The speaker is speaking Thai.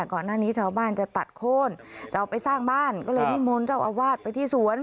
ก่อนหน้านี้ชาวบ้านจะตัดโค้นจะเอาไปสร้างบ้านก็เลยนิมนต์เจ้าอาวาสไปที่สวน